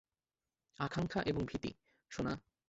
আকাঙ্ক্ষা এবং ভীতি, সোনা!